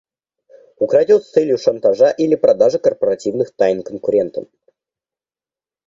Украдет с целью шантажа или продажи корпоративных тайн конкурентам